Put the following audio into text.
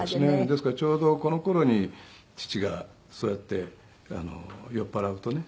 ですからちょうどこの頃に父がそうやって酔っ払うとね